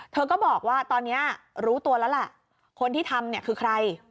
เธอก็บอกว่าตอนนี้รู้ตัวแล้วแหละคนที่ทำเนี่ยคือใคร